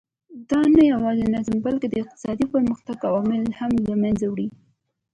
دا نه یوازې نظم بلکې د اقتصادي پرمختګ عوامل هم له منځه وړي.